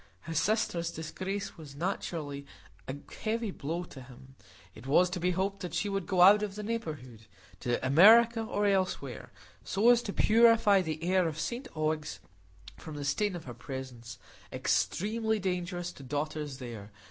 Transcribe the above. His sister's disgrace was naturally a heavy blow to him. It was to be hoped that she would go out of the neighbourhood,—to America, or anywhere,—so as to purify the air of St Ogg's from the stain of her presence, extremely dangerous to daughters there!